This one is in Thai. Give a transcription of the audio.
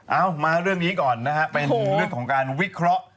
เอามาเรื่องนี้ก่อนนะฮะเป็นเรื่องของการวิเคราะห์